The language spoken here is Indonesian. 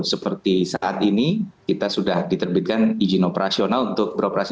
seperti saat ini kita sudah diterbitkan izin operasional untuk beroperasi